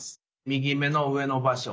右目の上の場所